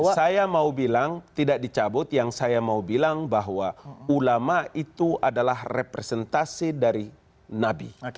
saya mau bilang tidak dicabut yang saya mau bilang bahwa ulama itu adalah representasi dari nabi